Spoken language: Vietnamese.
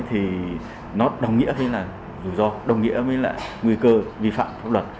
thì nó đồng nghĩa với là rủi ro đồng nghĩa với là nguy cơ vi phạm pháp luật